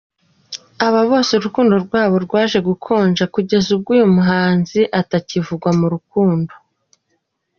Aba bose urukundo rwabo rwaje gukonja kugeza ubwo uyu muhanzi atakivugwa mu rukundo.